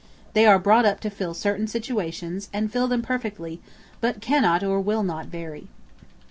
They are brought up to fill certain situations, and fill them perfectly, but cannot or will not vary.